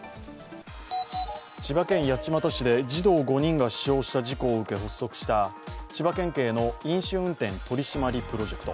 千葉県八街市で児童５人が死傷した事故を受け発足した千葉県警の飲酒運転取締りプロジェクト。